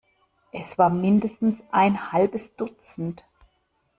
Es war mindestens ein halbes Dutzend.